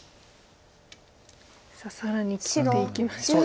さあ更に切っていきました。